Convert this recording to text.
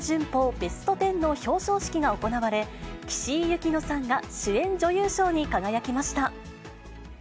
ベスト・テンの表彰式が行われ、岸井ゆきのさんが主演女優賞に輝きました。